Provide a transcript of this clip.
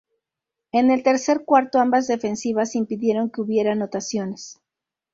En el tercer cuarto ambas defensivas impidieron que hubiera anotaciones.